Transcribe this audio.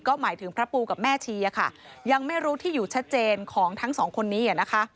ก็หมายถึงพระปูกับแม่ชีค่ะยังไม่รู้ที่อยู่ชัดเจนของทั้งสองคนนี้นะคะ